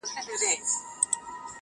کلي ودان کورونه!